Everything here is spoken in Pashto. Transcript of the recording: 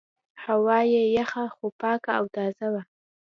هوا یې یخه خو پاکه او تازه وه.